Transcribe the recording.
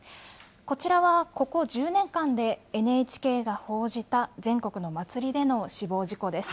こちらは、ここ１０年間でＮＨＫが報じた全国の祭りでの死亡事故です。